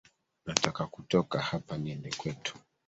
Nataka kutoka hapa niende kwetu